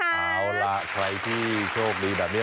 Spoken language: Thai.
เอาล่ะใครที่โชคดีแบบนี้